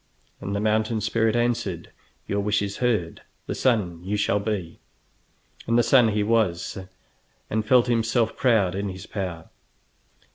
And the mountain spirit answered: "Your wish is heard; the sun you shall be." And the sun he was, and felt himself proud in his power.